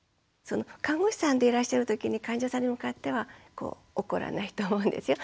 看護師さんでいらっしゃるときに患者さんに向かっては怒らないと思うんですよ。